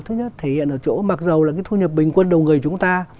thứ nhất thể hiện ở chỗ mặc dù là cái thu nhập bình quân đầu người chúng ta